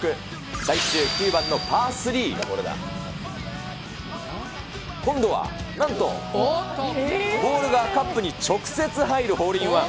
最終９番のパー３。今度はなんとボールがカップに直接入るホールインワン。